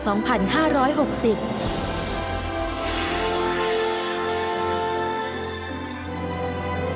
ฉบับวันที่๒๔ตุลาคมพุทธศักราช๒๕๖๐